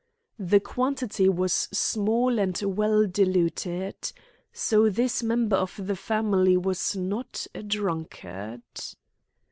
The quantity was small and well diluted. So this member of the family was not a drunkard.